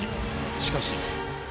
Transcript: しかし。